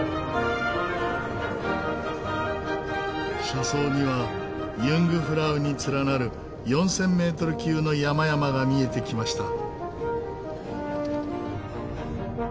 車窓にはユングフラウに連なる４０００メートル級の山々が見えてきました。